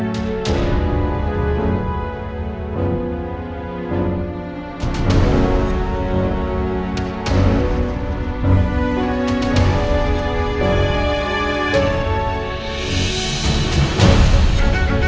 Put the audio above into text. nanti kalau mau gue shus selain